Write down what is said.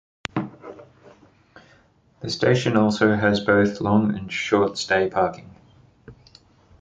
The station also has both long and short stay parking.